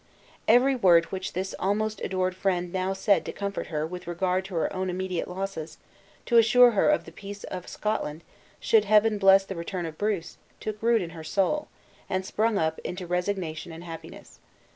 Every word which this almost adored friend now said to comfort her with regard to her own immediate losses, to assure her of the peace of Scotland, should Heaven bless the return of Bruce, took root in her soul, and sprung up into resignation and happiness.